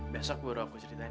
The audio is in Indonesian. besok baru aku ceritain